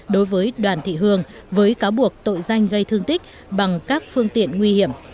đối với đoàn thị hương với cáo buộc tội danh gây thương tích bằng các phương tiện nguy hiểm